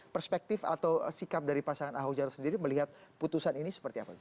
perspektif atau sikap dari pasangan ahok jarot sendiri melihat putusan ini seperti apa